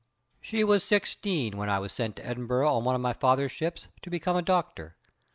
"She was 16 when I was sent to Edinburgh on one of father's ships, to become a doctor.